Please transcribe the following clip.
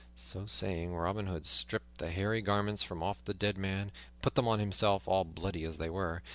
So saying, Robin Hood stripped the hairy garments from off the dead man, and put them on himself, all bloody as they were.